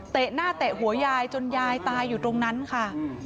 หน้าเตะหัวยายจนยายตายอยู่ตรงนั้นค่ะ